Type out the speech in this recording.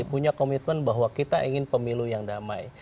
punya komitmen bahwa kita ingin pemilu yang damai